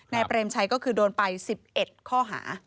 นายเตรียมชัยก็คือโดนไป๑๑ข้อหา